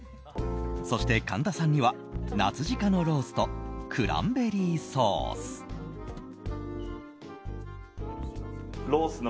そして神田さんには夏鹿のローストクランベリーソース。